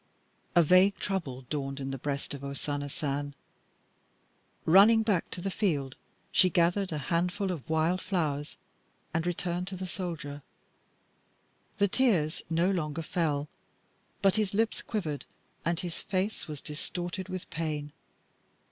A vague trouble dawned in the breast of O Sana San. Running back to the field, she gathered a handful of wild flowers and returned to the soldier. The tears no longer fell, but his lips quivered and his face was distorted with pain.